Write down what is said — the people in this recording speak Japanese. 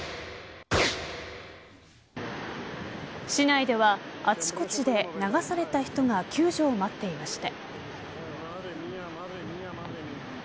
市内ではあちこちで流された人が救助を待っていました。